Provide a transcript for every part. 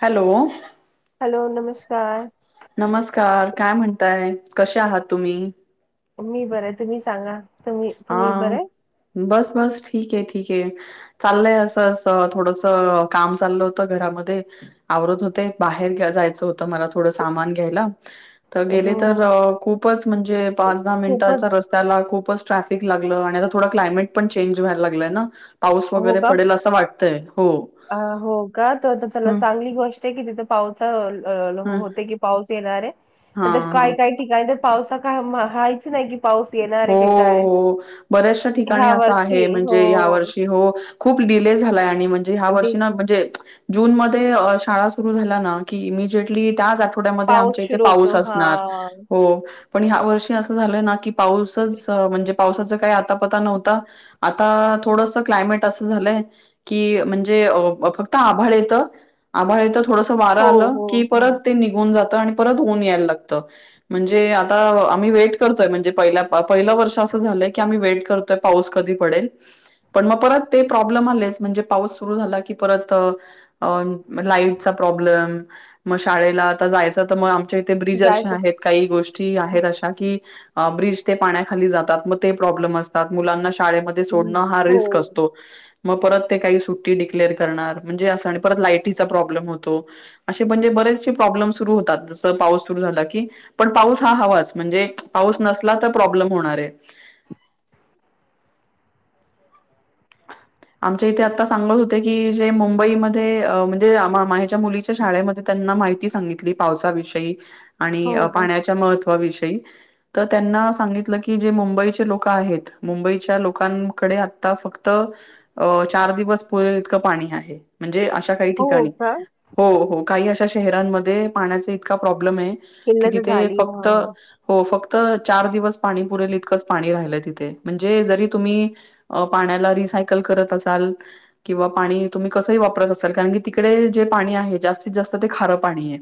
Hello hello नमस्कार नमस्कार काय म्हणताय कसे आहात तुम्ही मी बरं तुम्ही सांगा तुम्ही तुम्ही हा बरे बस बस ठीक आहे ठीक आहे चालय असं अस थोडस काम चाललं होतं घरामध्ये आवरत होते बाहेर जायचं होतं मला थोडं सामान घ्यायला तर गेले तर हो खूपच म्हणजे पाच दहा मिनिटाच्या खूपच रस्त्याला खूपच ट्रॅफिक लागलं आणि आता थोडं क्लायमेट पण चेंज व्हायला लागलंय ना पाऊस हो वगैरे का पडेल असं वाटतंय हो अ हो का तर चला ह चांगली गोष्ट आहे कि तिथे पाऊस चालू ह होतोयकी पाऊस येणार हा आहे हा काय काय ठिकाणी तर पावसा कायहाायचं नाही कि हो हो बऱ्याचशा ठिकाणी ह्या असं वर्षी आहे हो म्हणजे या वर्षी हो खूप डिले झालाय आणि म्हणजे ह्या दे वर्षी ना म्हणजे जून मध्ये शाळा सुरू झाला ना की इमिजिएटली त्या थोडा मध्ये आमच्या पाऊस इथे सुरू पाऊस होतो हा असणार हो पण ह्या वर्षी असं झालंय ना की पाऊसच म्हणजे पावसाच काही आतापता नव्हता आता थोडस क्लायमेट असं झालंय की म्हणजे फक्त आभाळ येत आभाळ येत थोडस वारं हो आलं हो की हो परत ते निघून जात आणि परत ऊन यायला लागत म्हणजे आता आम्ही वेट करतोय म्हणजे प पहिलं वर्ष असं झालंय की आम्ही वेट करतोय पाऊस कधी पडेल पण मग परत ते प्रॉब्लेम आलेच म्हणजे पाऊस सुरु झाला की परत अ लाईटचा प्रॉब्लेम मग शाळेला आता जायच तर मग आमच्या इथे ब्रिज अशे जायचं आहेत काही गोष्टी आहेत अशा कि ब्रिज ते पाण्याखाली जातात मग ते प्रॉब्लेम असतात मुलांना शाळेमध्ये सोडणं हा हो रिस्क असतो मग परत ते काही सुट्टी डिक्लेअर करणार म्हणजे असं आणि परत लायटीचा प्रॉब्लेम होतो असे म्हणजे बरेचसे प्रॉब्लेम सुरू होतात जसं पाऊस सुरु झाला की पण पाऊस हा हवाच म्हणजे पाऊस नसला तर प्रॉब्लेम होणार आहे आमच्या इथे आता सांगत होते की जे मुंबईमध्ये म्हणजे माझ्याच्या मुलीच्या शाळेमध्ये त्यांना माहिती सांगितली पावसाविषयी आणि हो हो पाण्याच्या महत्त्वाविषयी तर त्यांना सांगितलं की जे मुंबईचे लोक आहेत मुंबईच्या लोकांकडे आता फक्त अ चार दिवस पुरेल इतकं पाणी आहे म्हणजे अशा काही हो ठिकाणी का हो हो काही अशा शहरांमध्ये पाण्याचा इतका प्रॉब्लेम आहे की किल्ल तर तिथे झाली फक्त हो हो फक्त चार दिवस पाणी पुरेल इतकंच पाणी राहिलं तिथे म्हणजे जरी तुम्ही अ पाण्याला रिसायकल करत असाल किंवा पाणी तुम्ही कसंही वापरत असाल कारण की तिकडे जे पाणी आहे जास्तीत जास्त ते खारं पाणी आहे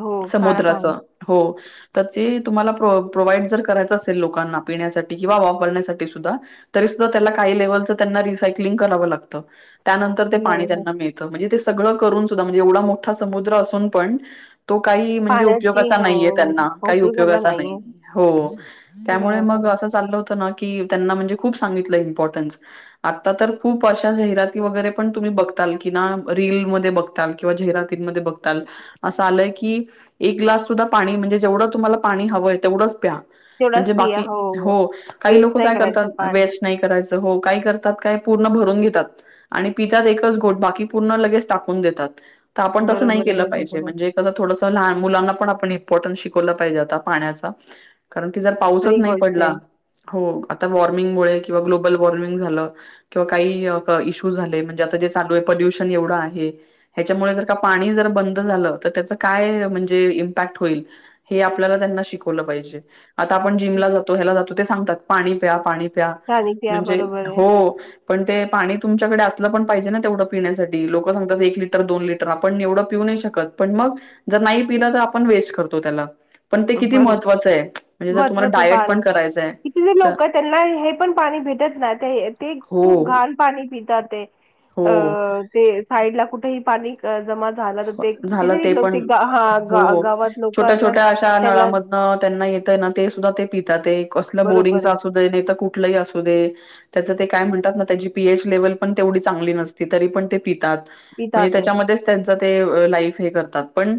हो खारा समुद्राच पाणी हो तर ते तुम्हाला प्र प्रोव्हाइड जर करायचं असेल लोकांना पिण्यासाठी किंवा वापरण्यासाठी सुद्धा तरी सुद्धा त्याला काही लेव्हलचं त्यांना रिसायकलिंग करावं लागतं त्यानंतर ते पाणी बरोबर त्यांना मिळत म्हणजे ते सगळं करून सुद्धा म्हणजे एवढा मोठा समुद्र असून पण तो काही म्हणजे पाण्याची उपयोगाचा हो नाहीे त्यांना काही उपयोगता उपयोगाचा नाही नाहीये हो त्यामुळे बरोबर मग आहे असं चाललं होत ना की त्यांना म्हणजे खूप सांगितलं इम्पॉर्टन्स आता तर खूप अशा जाहिराती वगैरे पण तुम्ही बघताल कि ना रीलमध्ये बघताल किंवा जहिराती बघ असं आलय की एक ग्लास सुद्ध पाणी म्हणजे जेवढं तुम्हाला पाणी हवंय तेवढंच प्या म्हणजे बाकी हो काही लोक वेस्ट नाही काय करायचं करतात पाणी वेस्ट नाही करायचं हो काय करत का पूर्ण भरून घेतात आणि पित एकच गो बाकी पूर्ण लगेच टाकून देतात आपण तसं नाही बरोबर केलं आहे पाहिजे बरोबर आहे. म्हणजे. थोडस लहान मुलांना पण आपण इम्पॉर्टन्स शिकवला पाहिजे आता पाण्याचा. कारण की जर पाऊसच खरी नाही गोष्ट पडला आहे हो आता वॉर्मिंगमुळे किंवा ग्लोबल वॉर्मिंग झालं. किंवा काही इश्यू झाले म्हणजे आता जे चालू आहे पोल्युशन एवढं आहे. ह्याच्यामुळे जर का पाणी जर बंद झालं तर त्याचं काय म्हणजे इम्पॅक्ट होईल. हे आपल्याला त्यांना शिकवलं पाहिजे. आता आपण जिमला जातो ह्याला जातो ते सांगतात पाणी प्या पाणी प्या पाणी प्या म्हणजे बरोबर आहे हो. पण ते पाणी तुमच्याकडे असलं पण पाहिजे ना तेवढं पिण्यासाठी लोकं सांगतात एक लिटर दोन लिटर आपण एवढं पिऊ नाही शकत. पण मग जर नाही पिलं तर आपण वेस्ट करतो त्याला. पण ते किती बरो महत्त्वाचं आहे म्हणजे जर तुम्हाला महत्त्वाचं डायट पण पाणी करायचंय किती जे तर. लोक त्यांना हे पण पाणी भेटत नाही ते हो खूप घण पाणी पितात ते. अ हो ते साईडला कुठही पाणी जमा. झाला तर ते झालं तिथेिथ लोक पण ते हा गावात लोक असतात. त्या त्याला नळामधन त्यांना येतय ना ते सुद्धा ते पितात असलं बोरिंग. बरोबर आहे नाही तर कुठलाही असू दे. त्याचं ते काय म्हणतात ना त्याची पीएच लेवल पण तेवढी चांगली नसती तरी पण ते पितात. पितात म्हणजे ते त्याच्यामध्येच त्यांच ते लाईफ हे करतात पण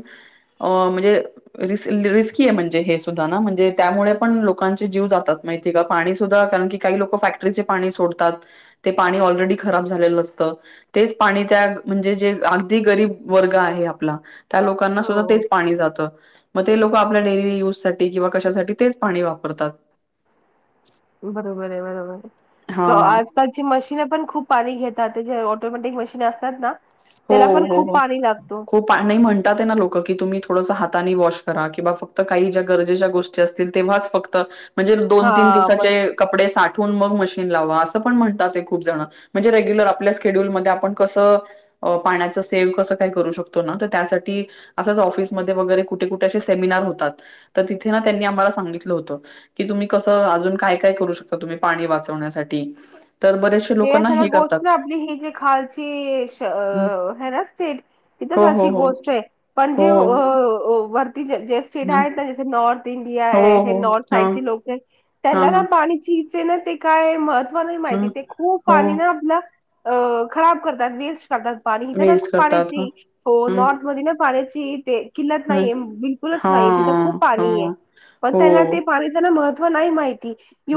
म्हणजे. रिस्की आहे म्हणजे हे. म्हणजे त्यामुळे पण लोांचे जीव जातात माहिती का पाणी सुद्धा कारण की काही लोक फॅक्. चे पाणी सोडतात. ते पाणी ऑलरेडी खराब झालेलं असतं तेच पाणी त्या म्हणजे जे अगदी गरीब. वर्ग आहे आपला त्या लोकांना सुद्धा हो तेच पाणी जात. मग ते लोक आपल्या डेली यूजसाठीठी किंवा कशासाठी तेच पाणी वापरतात. बरोबर आहे बरोबर हा आहे आज. त्याची मशीन पण खूप पाणी घेतात जे ऑटोमॅटिक मशीन असतात ना. त्याला पण खूप पाणी लागतो. म्हणात ना लोक की तुम्ही थोडं हाता वॉश करा किंवा फक्त का ज्या गरजेच्या गोष्टी. तेव्हा फक्त म्हणे दोन हा तीन मश दिवसाचे. कपडे साठवून मग मशीन लावा असं पण म्हणतात ते खूप जण. म्हणजे रेग्युलर आपल्या स्केड्युलमध्येध्ये आपण कसं. पाण्याच सेव कसं काही करू शकतो ना तर त्यासाठी. असंच ऑफिसमध्ये वगैरे कुठे कुठेे सेमिनार होतात तर तिथे ना त्यांनी आम्हाला सांगितलं होतं. कि तुम्ही कसं अजून काय काय करू शकता तुम्ही पाणी वाचवण्यासाठी. तर बरेचसे लोकांना हे करतात. म हेी जे खाल्ची. हं. तथ हो, हो, अ हो. गोष्ट पण हो. जे. ज्या स्टेट हं. आहेत ना ज नॉर्थ इंडिया हो, आहे हे हो. नॉर्थ साईड हां, चे लोक त्याला हां, ना हां, पाणी. तिचे ना ते काय महत्वा नाही माहिती हां. ते खूप हो, पा. खराब करतात वेस्ात. पाणी इथं ना वेस्ट करतात. पाण्याची हं, हो हं, नॉर्थ मध्ये ना पाण्याची तेे. किल्लत हं. नाहीये बिलकुलच नाही तिथं खूप हां, पाणी आहे. हां. पण हो, त्याना ते पाण्याचं ना महत्व नाही माहिित.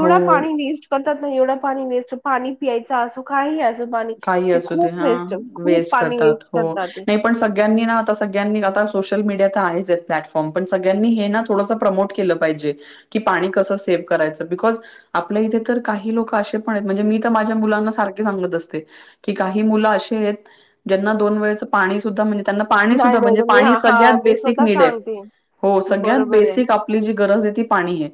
हो. पाणी वेस्ट करतात ना एवढ पाणी वेस्ट पाणी पियच. काही असं पाणी काही ते असू दे खूप हा वेस्ट खूप वेस्ट पाणी ये करतात हो कतात ते. नाही पण सगळ्यांनी ना आता सगळ्यांनी आता सोशल मीडिया तर आहेच प्लॅटफॉर्म पण सग्यांनी हे ना थोडं प्रमोट. पाहिजे की पाणी कस सेव करायचं बिकॉज. आपल्या इथे तर काही लोक असे पण आहेत म्हणजे मी तर माझ्या मुलांना सारखे सांगत असत. काही मु असे आहेत ज्यांना दोन वे पाणी सुा म्हण. त्यांना पाणी नाही सुद्धा म्हणजे मॅडम मी पाणी हा सगळ्यात मी बेसिक स्वतः नीड आहे. सांगते हो सगळ्यात बरोबर आहे बेसिक आपली जी गरज आहे ती पाणी आहे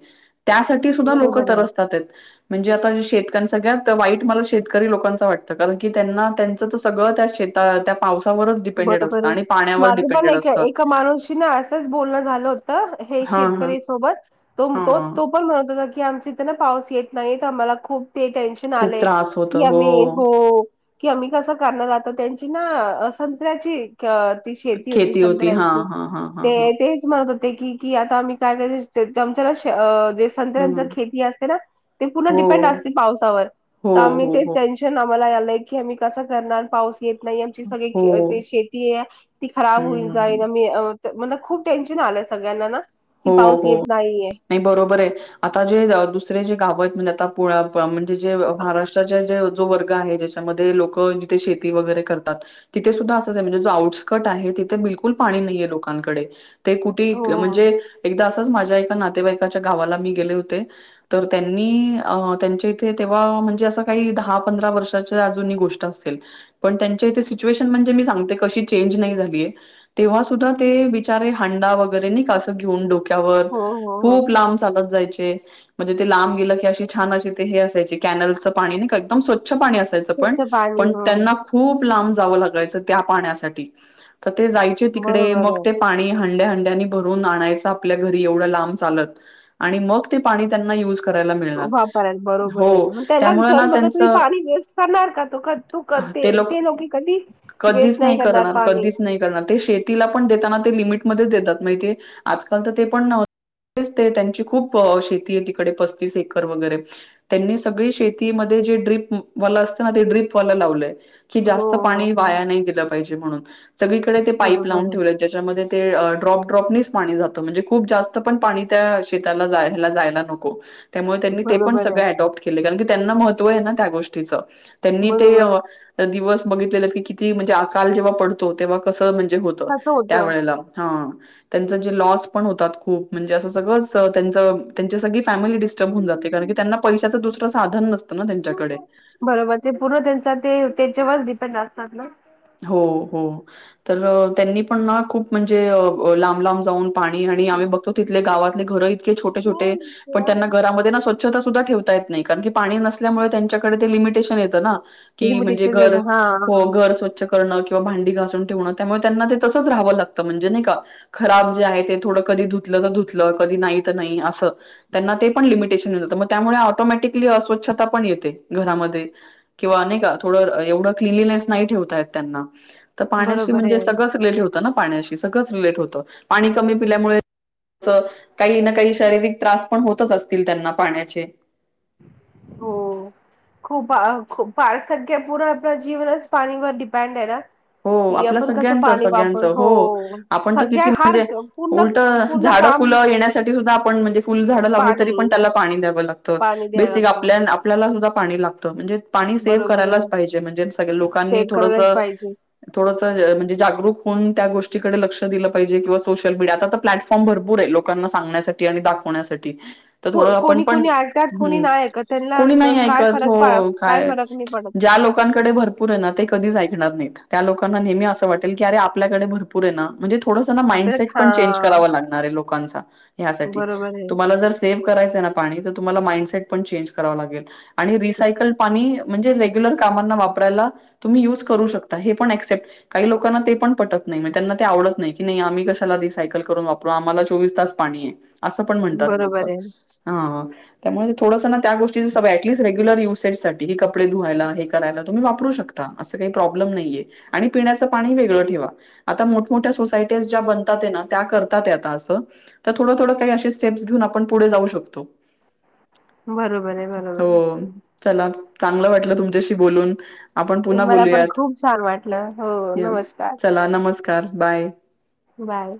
त्यासाठी सुद्धा लोक बरोबर आहे तरसतात आहेत. म्हणजे आता शेतक्यां सगळ्यात वाईट मला शेतकरी लोकांचा वाटत कारण की त्यांना त्यांच तर सगळं त्या श बरोबर पाण्यावर माझं पण डिपेंडेड एक असतं. एका माणूसशी ना असंच बोलणं झालं होत. तर हे हां हां शेतकरी सोबत तो तो हां तो पण म्हणत होता की आमच्या इथे ना पाऊस येत नाही तर आम्हाला खूप ते टेन्शन आ खूप त्रास होतो की हो आम् हो की आम्ही कसं करण जातो त्यांची ना संत्याची शेती होती खेती हां संत्र्यांची हां हां हां हां ते म्हणत होते की की आता आमही काय आच्या हं ख पण हो पे पावसा हो हो हो [inaudible] आम्हाला आलंय की आम्ही कसां करणार पाऊस येत नाही आमची सग हो ते शेती आहे ती खराब होईल जाई हम्म म म्हण खूप टेन्शन आलंय सगळ्यांना ना, कि हो पाऊस हो येत नाहीये नाही बरोबर आहे आता जे दुसरे जे गाव आहेत म्हणजे आता पुळा म्हणजे जे महाराष्ट्र जो वर्ग आहे ज्याच्यामध्ये लोक जिथे शेती वगैरे करतात. तिथे सुद्ध अस म्हणे जो आउटस्कट आहे तिे बि फुल पाणी नाहीये लोकांकडे ते कुठे हो हो म्हणजे एकदा असंच माझ्या एका नातेवाईकाच्या गावाला मी गेले होते. तर त्यांनी अ त्यांच्या इथे तेव्हा म्हणजे असं काही दहा पंधरा वर्षाच्या अजून गोष्टी त्यां स म्हणे मी स क चेंज नाही झाली [inaudible] तेव्हा सुद्धा ते बिचारे हांडा वगैरे नाही कासत, घेऊन डोक्यावर हो हो हो खूप लांब चालत जायचे, म्हणजे ते लांब गेलं की अशी छान अशी ते हे असायची कॅनलचं पाणी नाही का एकदम स्वचछ पाणी अस पण स्वच्छ पाणी पण हो त्यां खूप लांब जावं लागायचं त्या पाण्यासाठी तर ते जायचे तिकडे बरोबर मग आहे ते पाणी हंड्या हंड्यानी भरून आणायच, [unintelligible] वापराय बरोबर आहे मग त्याला त्यामुळे ना विचारून बघा तुम्ही त्यांचं पाणी वेस्ट करणार का तो का, तू क ते ते लोके कधी कधीच नाही करणार कधीच नाही करणार ते शेतीला पण देताना ते लिमिटमध्येध्येच देतात माहि ते, आजकाल तर ते पण नव्हच ते त्यांची खूप शेती आहे तिकडे पस्तीस एकर वगैरे त्यांनी सगळी शेतीमध्ये जे ड्र्रीपवाला असतं ना ते ड्र्रीपवाला लावलंय, कि हो जास्त पाणी हो हो. वाया नाही गेलं पाहिजे म्हणून सगळीकडे ते पाईप लावून बरोबर आहे ठेवले. ड्रपड्रप [inaudible] पाणी जातो म्हणजे खूप जास्त पण पाणी त्या शेताला जायला -जायला नको, त्यामुळे त्यांनी ते पण बरोबर सगळ आहे ऍडॉप्ट केलंय कारण की त्यांना महत्त्व आहे ना त्या गोष्टीचं त्यांनी ते बरोबर आहे दिवस बघितलेले की किती म्हणजे अकाल जेव्हा पडतो तेव्हा कसं म्हणजे होत कसं त्या होतं वेळेला हा त्यांच जे लॉस पण होतात खूप म्हणजे अस सगळं त्यांच त्यांची सगळी फॅमिली डिस्टर्ब् होऊन जाते कारण की त्यांना पैशाचं साधन नसतं ना त्यांच्याकडे बरोबर ते पूर्ण त्यांचा ते त्यांच्यावर डिपेंड असतात ना [inaudible] हो -हो तर त्यांनी पण ना खूप म्हणजे लांब लांब जाऊन पाणी आणि आम्ही बघतो तिथले गावातले घरे इतके छोटे- छोटे पण त्यांना घरामध्ये स्वच्छता सुद्धा ठेवता येत नाही कारण की पाणी नसल्यामुळे त्यांच्याकडे ते लिमिटेशन येतं ना, की म्हणजे लिमिटेशन घर हा हो घर स्व स्वच्छ करन किंवा भांडी घासून ठेवन त्यामुळे त्यांना ते तसंच राहावं लागतं म्हणजे नाही का खराब जे आहे ते थोडं कधी धुतलं तर धुतलं कधी नाही तर नाही असं त्यांना ते पण लिमिट [unintelligible] त्यामुळे‌ ऑटोमॅटिक अस्वच्छता पण येते घरामध्ये किंवा अनेक थोडं एवढं क्लिनलीनेस नाही ठेवताय त्यांना तर पाण्याशी बरोबर आहे म्हणजे सगळंच रिलेटेड होतं ना पाण्याशी सगळंच रिलेट होतं पाणी कमी पिल्यामुळे काही ना काही शारीरिक त्रास पण होतच असतील त्यांना पाण्याचे हो. खूप खूप पाारसंख्या पूर्ण आपलं जीवनच पाणीवर डिपेंड आहे ना. हो कि आपल्या आपण कसं सगळ्यांचं पाणी वापर सगळ्यांचं हो आपण तर किती सगळ्या हार म्हणजे पूर्ण उलट पूर्ण झाडं काम फुलं येण्यासाठी सुद्धा आपण म्हणजे फुल झाडं लावली तरी पाणी पण त्याला पाणी द्यावं लागत. पाणी द्यायला बेसिक लागतो आपल्या आपल्याला सुद्धा पाणी लागतं म्हणजे पाणी सेव्ह बरोबर करायलाच आहे पाहिजे म्हणजे सगळं लोकांनी सेव्ह करायलाच थोडसं. पाहिजे थोडं म्हणजे जागरूक होऊन त्या गोष्टीकडे लक्ष दिल पाहिजे किंवा सोशल मीडिया आता लॅटफ फॉर्म भरपूर आहे लोकांना सांगण्यासाठी दाखवण्यासाठी तर थोडं को- आपण कोणी पण कोणी ऐकतात कोणी हम् नाही ऐकत त्यांना कोणी क- नाही काय ऐकत फरक पड हो काय? फरक नाही पडत ज्या लोकांकडे भर. भरपूर आहे ना ते कधी ऐकणार नाहीत त्या लोकांना नेहमी असं वाटेल की अरे आपल्याकडे भरपूर आहे ना. म्हणजे थोड आपल्याला माडसेट पण चेंज हा कराव लागणार लोकांचा यासाठी बरोबर आहे तुम्हाला जर सेव करायचंय ना पाणी तर तुम्हाला माइंडसेट पण चेंज करावं लागेल आणि रिसायकल पाणी म्हणजे रेग्युलर कामांना वापरायला तुम्ही युज करू शकता हे पण क्सेप्ट काही लोकांना ते पण पटत नाही मग त्यांना ते आवडत नाही की नाही आम्ही कशाला रिसायकल करून वार मग आम्हाला चोवीस तास पाणी आहे असं पण म्हणतात लोक. बरोबर आहे हा त्यामुळे थोडस त्या गोष्टी ऍटलिस्ट रेग्युलर युसेटसाठी हे कपडे धुवायला करायला तुम्ही वापरू शकता असं काही प्रॉब्लेम नाहीये आणि पिण्याचं पाणी वेगळं ठेवा. आता मोठमोठ्या सोसायटीज ज्या बनतात ना त्या करतात आता असं. तर थोडं -थोडं काही असे स्टेप्स घेऊन आपण पुढे जाऊ शकतो बरोबर आहे [inaudible] [inaudible] बरोबर आहे हो चला चांगलं वाटलं तुमच्याशी बोलून आपण [inaudible] पुन्हा मला पण बोलूयात. खूप छान वाटलं हो या नमस्कार. चला नमस्कार. चल बाय [inaudible] बाय.